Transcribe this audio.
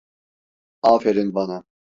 Aferin bana.